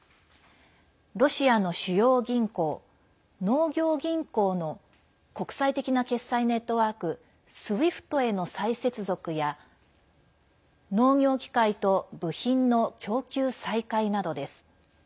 ロシアの主要銀行、農業銀行の国際的な決済ネットワークＳＷＩＦＴへの再接続や農業機械と部品の供給再開などです。